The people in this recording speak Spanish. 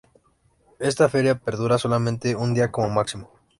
Esta feria perdura solamente un día como máximo.